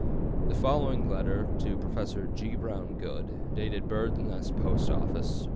The following letter to Prof. G. Brown Goode, dated Birdsnest post office, Va.